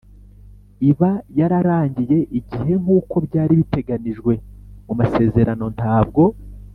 Iba yararangiriye igihe nk uko byari biteganijwe mu masezerano ntabwo